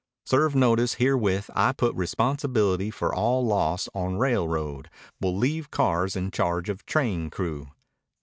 Serve notice herewith I put responsibility for all loss on railroad. Will leave cars in charge of train crew.